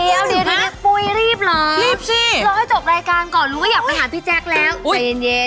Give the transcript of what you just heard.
ไม่ได้เดี๋ยวพุยรีบหรอกรอให้จบรายการก่อนรู้ว่าอยากไปหาพี่แจ๊กแล้วไปเย็น